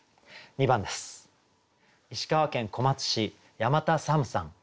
２番です。